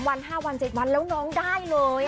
วัน๕วัน๗วันแล้วน้องได้เลย